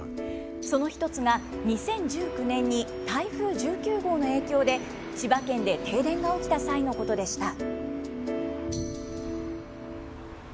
そのひとつが、２０１９年に台風１９号の影響で、千葉県で停電が起きた際のことでした。